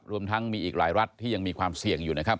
รวมทั้งมีอีกหลายรัฐที่ยังมีความเสี่ยงอยู่นะครับ